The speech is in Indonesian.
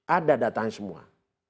ada datanya semua